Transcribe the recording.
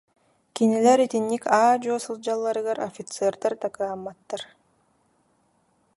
Кинилэр итинник аа-дьуо сылдьалларыгар офицердар да кыһамматтар